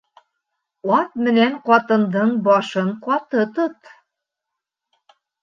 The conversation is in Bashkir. Ат менән ҡатындың башын ҡаты тот.